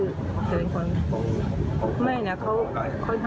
นี่เป็นครั้งแรกและครั้งเดียวที่แม่รู้แล้วก็เหมือนกัน